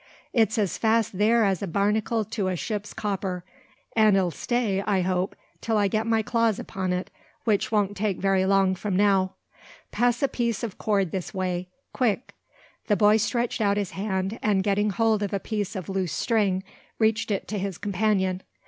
It's as fast theer as a barnacle to a ship's copper; an' 'll stay, I hope, till I get my claws upon it, which won't take very long from now. Pass a piece o' cord this way. Quick." The boy stretched out his hand, and, getting hold of a piece of loose string, reached it to his companion.